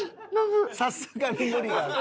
さすがに無理がある。